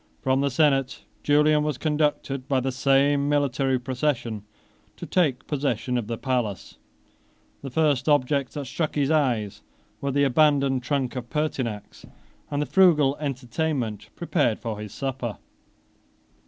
13 From the senate Julian was conducted, by the same military procession, to take possession of the palace. The first objects that struck his eyes, were the abandoned trunk of Pertinax, and the frugal entertainment prepared for his supper.